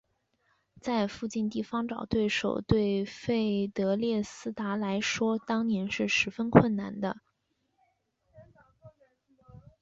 在邻近地方找对手对费德列斯达来说当年是十分困难的。